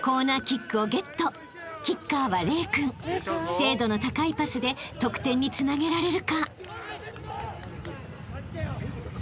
［精度の高いパスで得点につなげられるか？］